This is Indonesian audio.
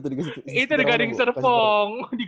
itu di gading serpong